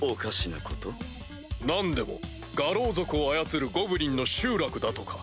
何でも牙狼族を操るゴブリンの集落だとか。